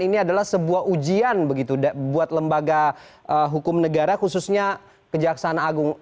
ini adalah sebuah ujian begitu buat lembaga hukum negara khususnya kejaksaan agung